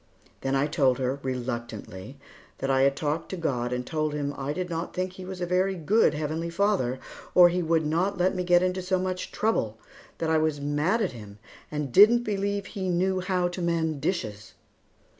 Then I told her, reluctantly, that I had talked to God and told Him I did not think that He was a very good Heavenly Father, or He would not let me get into so much trouble; that I was mad at Him, and didn't believe He knew how to mend dishes.